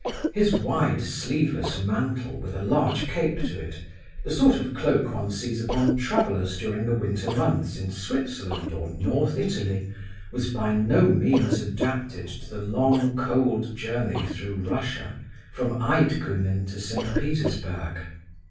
His wide sleeveless mantle with a large cape to it—the sort of cloak one sees upon travellers during the winter months in Switzerland or North Italy—was by no means adapted to the long cold journey through Russia, from Eydkuhnen to St. Petersburg.